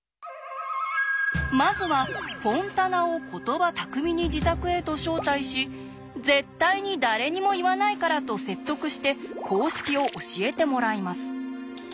まずはフォンタナを言葉巧みに自宅へと招待し「絶対に誰にも言わないから」と説得して公式を教えてもらいます。